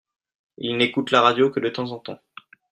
Ils n'écoutent la radio que de temps en temps.